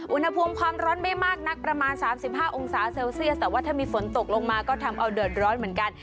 อุณหภูมิความร้อนไม่มากนักประมาณ๓๕องศาเซลเซียสแต่ว่าถ้ามีฝนตกลงมาก็ทำเอาเดือดร้อนเหมือนกัน